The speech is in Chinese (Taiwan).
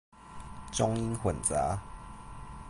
中英混雜